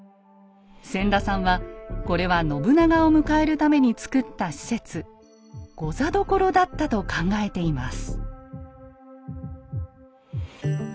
千田さんはこれは信長を迎えるために造った施設「御座所」だったと考えています。